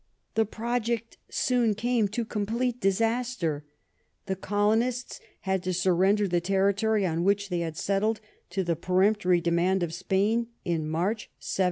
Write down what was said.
The project soon came to complete disaster. The colonists had to surrender the territory on which they had settled to the peremptory demand of Spain in March, 1700.